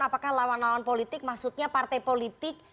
apakah lawan lawan politik maksudnya partai politik